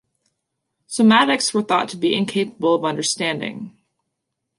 Somatics were thought to be incapable of understanding.